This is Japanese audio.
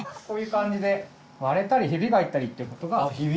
こういう感じで割れたりひびが入ったりっていうことが。